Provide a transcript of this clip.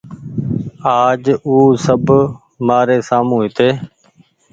آج او سب مآري سآمون هيتي